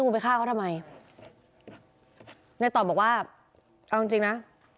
ไปฆ่าเขาทำไมนายตอบบอกว่าเอาจริงจริงนะ